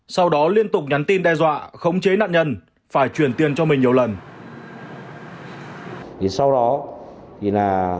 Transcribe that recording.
sau đó liên tục nhắn tin đe dọa khống chế nạn nhân phải chuyển tiền cho mình nhiều lần